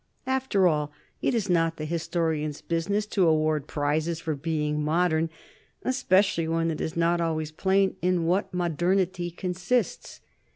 After all it is not the historian's business to award prizes for being modern, especially when it is not always plain in what moder nity consists.